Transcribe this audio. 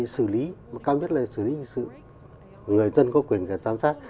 xử lý mà cao nhất là xử lý như sự người dân có quyền để giám sát